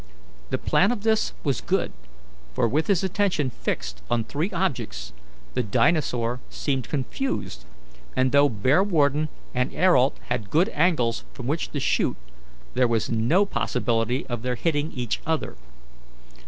The plan of this was good, for, with his attention fixed on three objects, the dinosaur seemed confused, and though Bearwarden and Ayrault had good angles from which to shoot, there was no possibility of their hitting each other.